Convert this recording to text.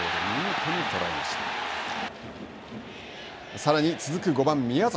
さらに、続く５番宮崎。